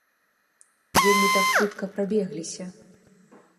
Вельмі так хутка прабегліся.